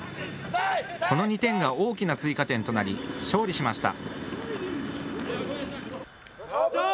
この２点が大きな追加点となり勝利しました。